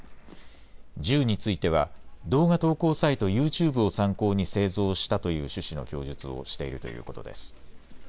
銃については動画投稿サイト、ＹｏｕＴｕｂｅを参考に製造したという趣旨の供述をしているということです。